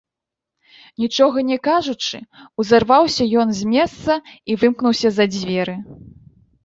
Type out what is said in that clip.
Нічога не кажучы, узарваўся ён з месца і вымкнуўся за дзверы.